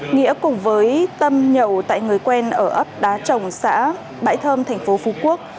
nghĩa cùng với tâm nhậu tại người quen ở ấp đá trồng xã bãi thơm thành phố phú quốc